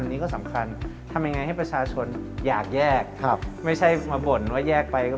อันนี้ก็สำคัญทำยังไงให้ประชาชนอยากแยกครับไม่ใช่มาบ่นว่าแยกไปก็